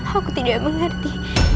aku tidak mengerti